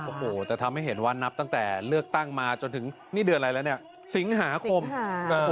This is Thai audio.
โอ้โหจะทำให้เห็นว่านับตั้งแต่เลือกตั้งมาจนถึงนี่เดือนอะไรแล้วเนี่ยสิงหาคมค่ะเอ่อ